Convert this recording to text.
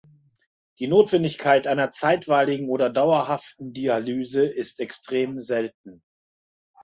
Die Notwendigkeit einer zeitweiligen oder dauerhaften Dialyse ist extrem selten.